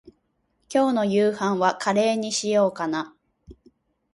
今日の夕飯はカレーにしようかな。